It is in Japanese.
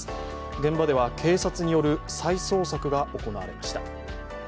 現場では警察による再捜索が行われました。